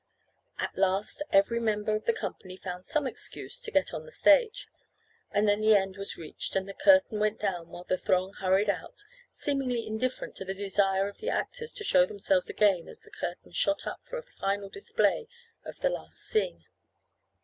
At last every member of the company found some excuse to get on the stage, and then the end was reached, and the curtain went down while the throng hurried out, seemingly indifferent to the desire of the actors to show themselves again as the curtain shot up for a final display of the last scene.